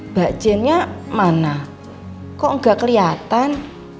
mbak jennya mana kok gak keliatan